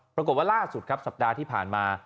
ปรากฏว่าล่าสุดครับสัปดาห์ที่ผ่านมา